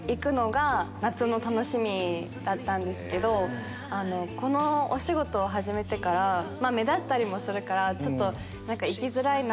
だったんですけどこのお仕事を始めてから目立ったりもするから。